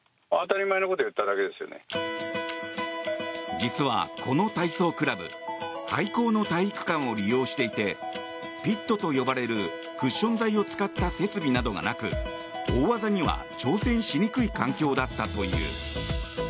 実はこの体操クラブ廃校の体育館を利用していてピットと呼ばれるクッション材を使った設備などがなく大技には挑戦しにくい環境だったという。